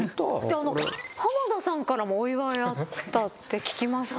浜田さんからもお祝いあったって聞きました。